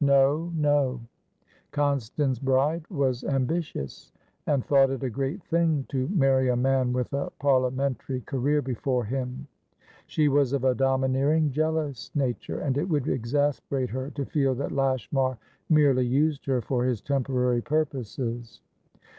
No, no; Constance Bride was ambitious, and thought it a great thing to marry a man with a parliamentary career before him. She was of a domineering, jealous nature, and it would exasperate her to feel that Lashmar merely used her for his temporary purposes.